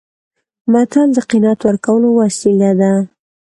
متل د قناعت ورکولو وسیله ده